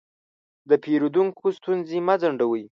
د پیرودونکو ستونزې مه ځنډوئ.